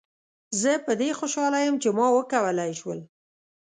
زه په دې خوشحاله یم چې ما وکولای شول.